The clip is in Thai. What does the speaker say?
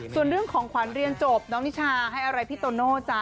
ส่วนเรื่องของขวัญเรียนจบน้องนิชาให้อะไรพี่โตโน่จ๊ะ